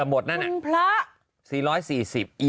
เช็ดแรงไปนี่